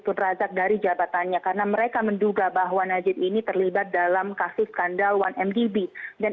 pun razak dari jabatannya karena mereka menduga bahwa najib ini terlibat dalam kasus skandal satu mdb dan